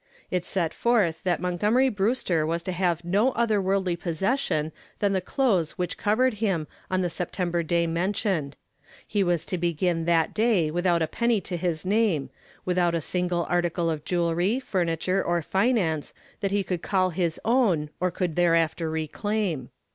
It set forth that Montgomery Brewster was to have no other worldly possession than the clothes which covered him on the September day named. He was to begin that day without a penny to his name, without a single article of jewelry, furniture or finance that he could call his own or could thereafter reclaim.